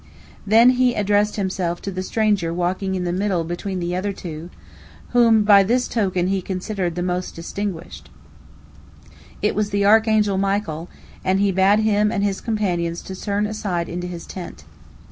" Then he addressed himself to the stranger walking in the middle between the other two, whom by this token he considered the most distinguished,—it was the archangel Michael—and he bade him and his companions turn aside into his tent.